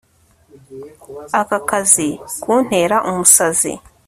Aka kazi kuntera umusazi